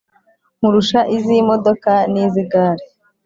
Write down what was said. Nkurusha izi modoka nizi gare